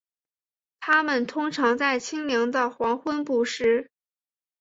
它们通常在清凉的黄昏捕食。